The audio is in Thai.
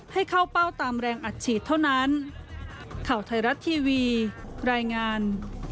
ให้เข้าเป้าตามแรงอัดฉีดเท่านั้น